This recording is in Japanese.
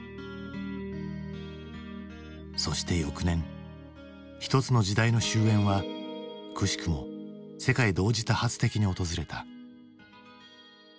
そして翌年一つの時代の終焉はくしくも世界同時多発的に訪れた。